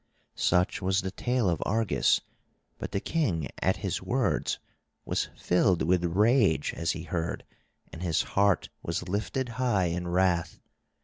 Such was the tale of Argus; but the king at his words was filled with rage as he heard; and his heart was lifted high in wrath.